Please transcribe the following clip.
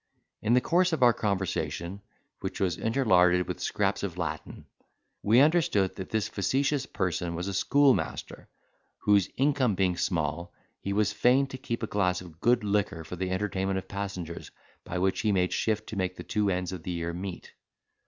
In the course of our conversation, which was interlarded with scraps of Latin, we understood that this facetious person was a schoolmaster, whose income being small, he was fain to keep a glass of good liquor for the entertainment of passengers by which he made shift to make the two ends of the year meet.